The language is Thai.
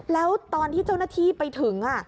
แล้วตอนที่เจ้าหน้าที่ไปถึง